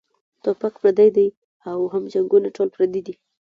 ټوپک پردے پردے او هم جنګــــونه ټول پردي دي